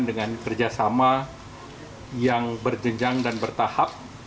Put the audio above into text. dengan kerjasama yang berjenjang dan bertahap